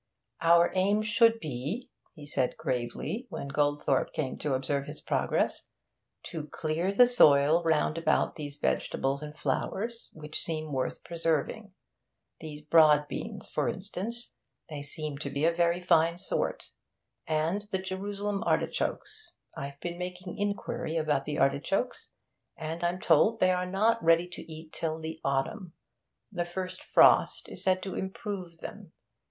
'Our aim should be,' he said gravely, when Goldthorpe came to observe his progress, 'to clear the soil round about those vegetables and flowers which seem worth preserving. These broad beans, for instance they seem to be a very fine sort. And the Jerusalem artichokes. I've been making inquiry about the artichokes, and I'm told they are not ready to eat till the autumn. The first frost is said to improve them.